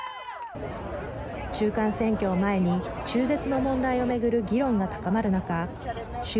中間選挙を前に中絶の問題を巡る議論が高まる中州